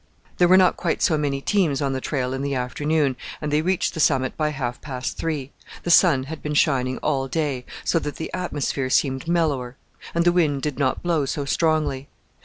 There were not quite so many teams on the trail in the afternoon, and they reached the summit by half past three. The sun had been shining all day, so that the atmosphere seemed mellower; and the wind did not blow so strongly.